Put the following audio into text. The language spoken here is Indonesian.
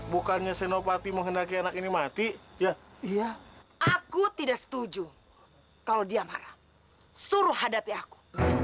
bukannya senopati menghendaki anak ini mati ya aku tidak setuju kalau dia marah suruh hadapi aku